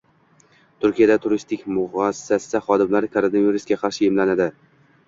Turkiyada turistik muassasa xodimlari koronavirusga qarshi emlanadi